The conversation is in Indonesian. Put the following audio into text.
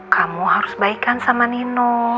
kamu harus baikan sama nino